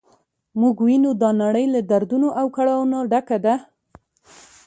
موږ وینو دا نړۍ له دردونو او کړاوونو ډکه ده.